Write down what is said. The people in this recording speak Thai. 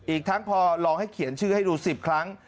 อีกทั้งพอลองให้เขียนชื่อให้ดู๑๐ครั้ง